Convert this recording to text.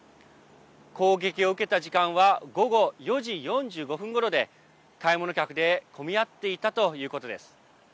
攻撃を受けた時間は午後４時４５分ごろで買い物客で混み合っていたということです。